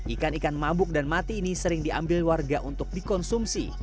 ikan ikan mabuk dan mati ini sering diambil warga untuk dikonsumsi